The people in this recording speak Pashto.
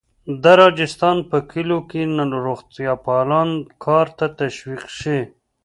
د راجستان په کلیو کې روغتیاپالان کار ته تشویق شي.